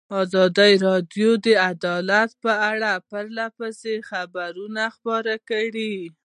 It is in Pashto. ازادي راډیو د عدالت په اړه پرله پسې خبرونه خپاره کړي.